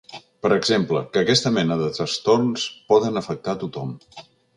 Per exemple, que aquesta mena de trastorns poden afectar tothom.